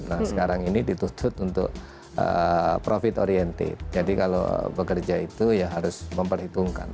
nah sekarang ini ditutup untuk profit oriented jadi kalau bekerja itu ya harus memperhitungkan